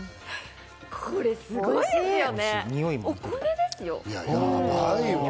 これすごいですよね。